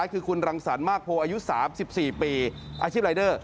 คือคุณรังสรรคมากโพอายุ๓๔ปีอาชีพรายเดอร์